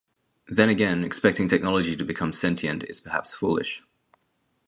Then again, expecting technology to become sentient is perhaps foolish.